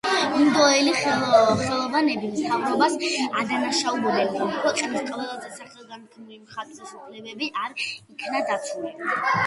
ინდოელი ხელოვანები მთავრობას ადანაშაულებენ, რომ ქვეყნის ყველაზე სახელგანთქმული მხატვრის უფლებები არ იქნა დაცული.